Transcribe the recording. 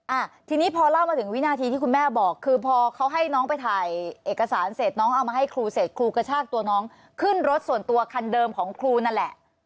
อ่าทีนี้พอเล่ามาถึงวินาทีที่คุณแม่บอกคือพอเขาให้น้องไปถ่ายเอกสารเสร็จน้องเอามาให้ครูเสร็จครูกระชากตัวน้องขึ้นรถส่วนตัวคันเดิมของครูนั่นแหละ